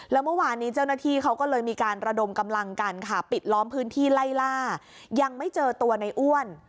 แล้วเมื่อวานนี้เจ้าหน้าที่เขาก็เลยมีการระดมกำลังกันค่ะปิดล้อมพื้นที่ไล่ล่ายังไม่เจอตัวในอ้วน